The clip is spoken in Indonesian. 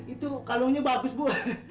itu kalungnya bagus bu